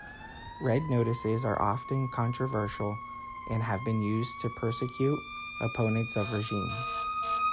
Red notices are often controversial and have been used to persecute opponents of regimes.